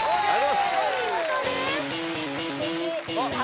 お見事ですさあ